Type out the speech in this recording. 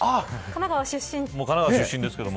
神奈川出身ですけど。